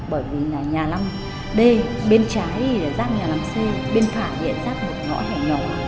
bởi vì là nhà năm d bên trái thì là rác nhà năm c bên phải thì là rác một ngõ hẻ ngõ